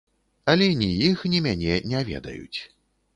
Але ні іх, ні мяне не ведаюць.